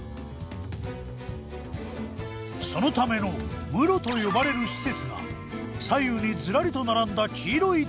そのための室と呼ばれる施設が左右にズラリと並んだ黄色い扉！